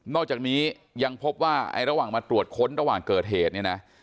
อกจากนี้ยังพบว่าไอ้ระหว่างมาตรวจค้นระหว่างเกิดเหตุเนี่ยนะ